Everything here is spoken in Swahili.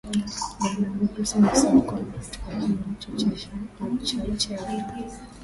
Bain Omugisa amesema kwamba hatua hiyo imechochewa na